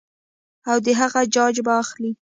او د هغې جاج به اخلي -